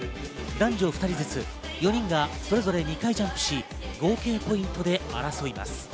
男女２人ずつ４人が、それぞれ２回ジャンプし、合計ポイントで争います。